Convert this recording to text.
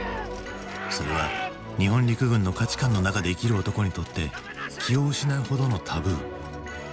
それは日本陸軍の価値観の中で生きる男にとって気を失うほどのタブー。